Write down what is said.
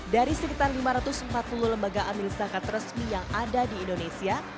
dari sekitar lima ratus empat puluh lembaga adminis zakat resmi yang ada di indonesia